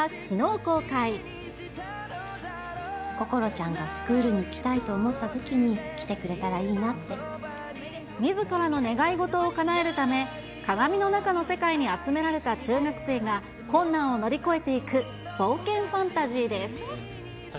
こころちゃんがスクールに来たいと思ったときに、来てくれたみずからの願い事をかなえるため、鏡の中の世界に集められた中学生が、困難を乗り越えていく冒険ファンタジーです。